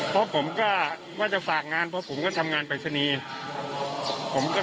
เพราะผมก็ว่าจะฝากงานเพราะผมก็ทำงานปริศนีย์